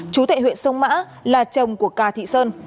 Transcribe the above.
chú thệ huyện sông mã là chồng của cà thị sơn